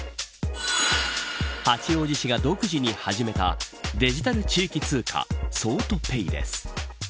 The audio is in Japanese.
八王子市が独自に始めたデジタル地域通貨桑都ペイです。